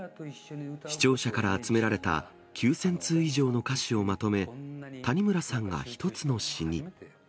視聴者から集められた９０００通以上の歌詞をまとめ、谷村さんが一つの詞に。